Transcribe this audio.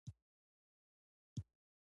برېتانيه میراثونو دود لوی املاک ساتي.